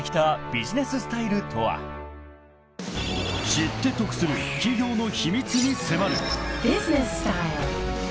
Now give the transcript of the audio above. ［知って得する企業の秘密に迫る］